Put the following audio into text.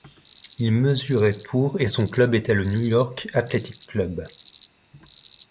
Il mesurait pour et son club était le New York Athletic Club.